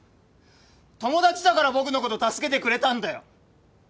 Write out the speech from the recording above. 友達だから僕のこと助けてくれたんだよ！